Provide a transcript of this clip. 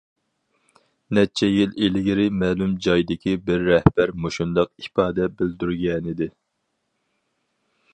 نەچچە يىل ئىلگىرى مەلۇم جايدىكى بىر رەھبەر مۇشۇنداق ئىپادە بىلدۈرگەنىدى.